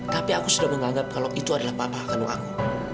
tapi aku sudah menganggap kalau itu adalah bapak kandung aku